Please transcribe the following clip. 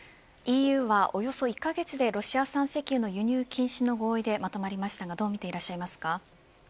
ＥＵはおよそ１カ月でロシア産石油の輸入禁止の合意でまとまりましたがどう見ていらっしゃいますか。